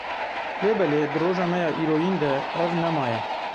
Lê belê di roja me ya îroyîn de, ev nemaye.